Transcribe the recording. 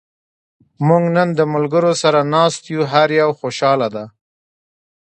موږ نن د ملګرو سره ناست یو. هر یو خوشحاله دا.